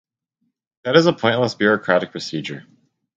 That is a pointless bureaucratic procedure